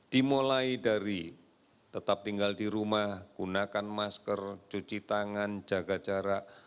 dimulai dari tetap tinggal di rumah gunakan masker cuci tangan jaga jarak